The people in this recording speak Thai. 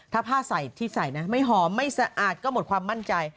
ถ้าผ้าใส่ที่ใส่นะไม่หอมไม่สะอาดก็หมดความมั่นใจ